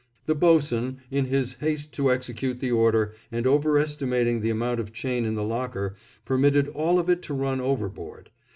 The boatswain, in his haste to execute the order, and overestimating the amount of chain in the locker, permitted all of it to run overboard.